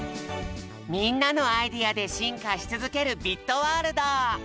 みんなのアイデアでしんかしつづける「ビットワールド」。